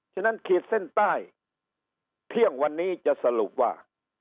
ฉะนั้นขีดเส้นใต้เที่ยงวันนี้จะสรุปว่า